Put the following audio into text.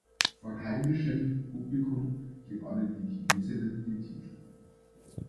Vor heimischem Publikum gewannen die Chinesinnen den Titel.